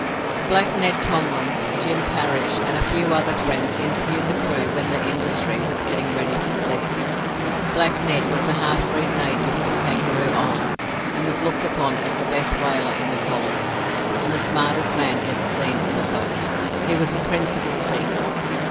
Black Ned Tomlins, Jim Parrish, and a few other friends interviewed the crew when the 'Industry' was getting ready for sea. Black Ned was a half breed native of Kangaroo Island, and was looked upon as the best whaler in the colonies, and the smartest man ever seen in a boat. He was the principal speaker.